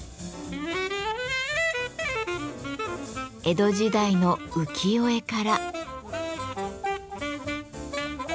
江戸時代の浮世絵から。